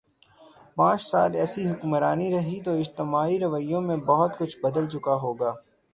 پانچ سال ایسی حکمرانی رہی تو اجتماعی رویوں میں بہت کچھ بدل چکا ہو گا۔